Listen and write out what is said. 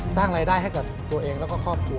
สร้างรายได้ให้กับตัวเองแล้วก็ครอบครัว